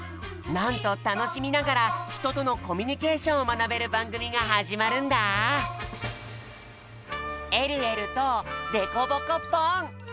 なんとたのしみながらひととのコミュニケーションをまなべるばんぐみがはじまるんだ「えるえる」と「でこぼこポン！」。